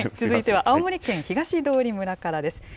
続いては青森県東通村からです。